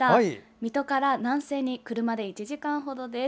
水戸から南西に車で１時間程です。